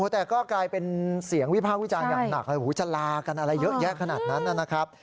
แต่ก็กลายเป็นเสียงวิพากษ์วิจารณ์อย่างหนักเลยจะลากันอะไรเยอะแยะขนาดนั้นนะครับ